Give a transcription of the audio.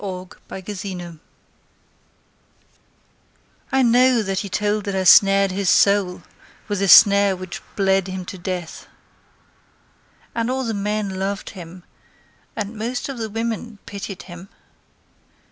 Mrs. Benjamin Pantier I know that he told that I snared his soul With a snare which bled him to death. And all the men loved him, And most of the women pitied him.